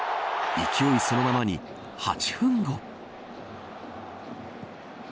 勢いそのままに８分後。